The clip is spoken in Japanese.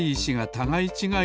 たがいちがい。